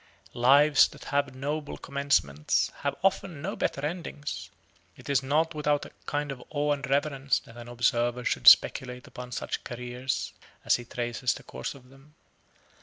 Lives that have noble commencements have often no better endings; it is not without a kind of awe and reverence that an observer should speculate upon such careers as he traces the course of them.